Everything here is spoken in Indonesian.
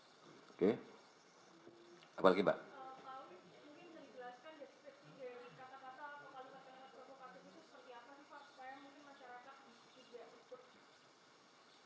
pak ulis ini menjelaskan deskripsi dari kata kata atau kalimat kalimat provokatif itu seperti apa nih pak